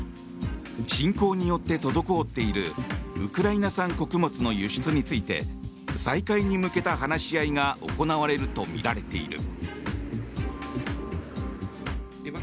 侵攻によって滞っているウクライナ産穀物の輸出について再開に向けた話し合いが行われるとみられている。